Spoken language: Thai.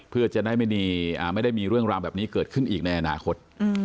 เพื่อจะได้ไม่ได้มีเรื่องราวแบบนี้เกิดขึ้นอีกในอนาคต